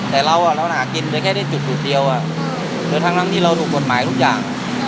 แต่เรากินแค่ได้จุดเดียวหรือทั้งที่เราถูกกฎหมายทุกอย่าง